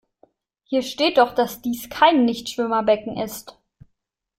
Hier steht doch, dass dies kein Nichtschwimmerbecken ist.